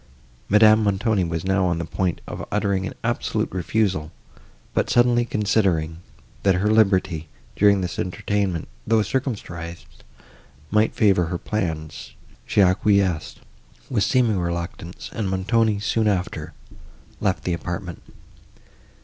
Madame Montoni was now on the point of uttering an absolute refusal, but, suddenly considering, that her liberty, during this entertainment, though circumscribed, might favour her further plans, she acquiesced, with seeming reluctance, and Montoni, soon after, left the apartment.